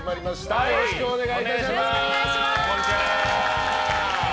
よろしくお願いします！